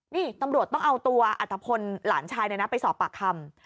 นี่ตำรวจต้องเอาตัวอัตภพลหลานชายไปสอบปากคำ